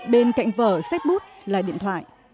bên cạnh vở sách bút là điện thoại